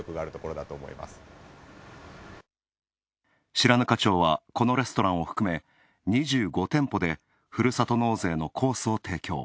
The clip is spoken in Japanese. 白糠町はこのレストランを含め、２５店舗でふるさと納税のコースを提供。